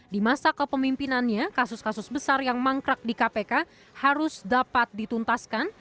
di masa kepemimpinannya kasus kasus besar yang mangkrak di kpk harus dapat dituntaskan